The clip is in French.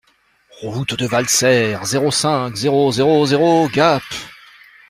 Route de Valserres, zéro cinq, zéro zéro zéro Gap